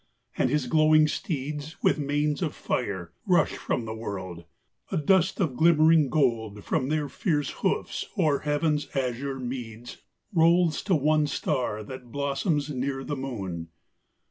And as his glowing steeds, with manes of fire, Rush from the world, a dust of glimmering gold From their fierce hoofs o'er heaven's azure meads Rolls to one star that blossoms near the moon.